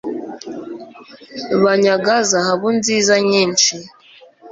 banyaga zahabu nziza nyinshi